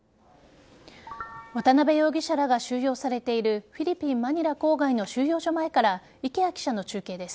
渡辺容疑者らが収容されているフィリピン・マニラ郊外の収容所前から池谷記者の中継です。